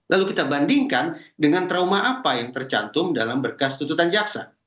lalu kita bandingkan dengan trauma apa yang tercantum dalam berkas tuntutan jaksa